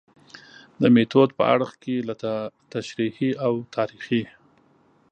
د میتود په اړخ کې له تشریحي او تاریخي